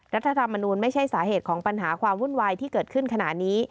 รัฐธรรมนูลไม่ใช่สาเหตุของปัญหาความวุ่นวายที่เกิดขึ้นขณะนี้